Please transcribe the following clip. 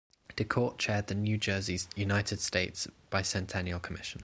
DeKorte chaired the New Jersey's United States Bicentennial Commission.